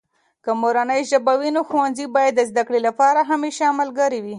که مورنۍ ژبه وي، نو ښوونځي باید د زده کړې لپاره همیشه ملګری وي.